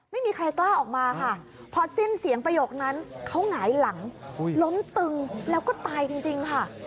ไม่มีใครกล้าออกมาค่ะพอสิ้นเสียงประโยคนั้นเขาหงายหลังล้มตึงแล้วก็ตายจริงค่ะ